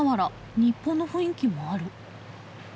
日本の雰囲気もある。